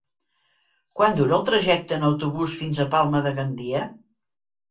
Quant dura el trajecte en autobús fins a Palma de Gandia?